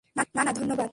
না, না, ধন্যবাদ।